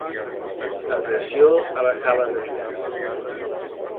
Agressió a la sala de billars.